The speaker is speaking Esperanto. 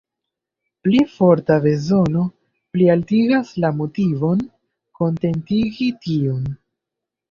Pli forta bezono plialtigas la motivon kontentigi tiun.